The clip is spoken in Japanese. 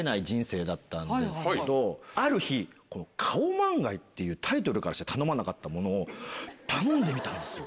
ある日このカオマンガイっていうタイトルからして頼まなかったものを頼んでみたんですよ。